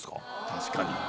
確かに。